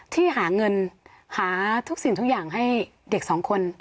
ที่หาเงินหาทุกสิ่งทุกอย่างให้เด็กสองคน